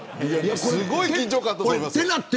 すごい緊張感だったと思います。